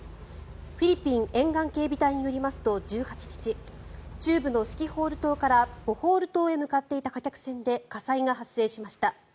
フィリピン沿岸警備隊によりますと１８日、中部のシキホール島からボホール島へ向かっていた貨客船で火災が発生しました。